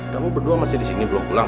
kamu berdua masih di sini belum pulang